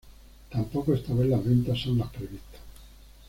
Tampoco esta vez las ventas son las previstas.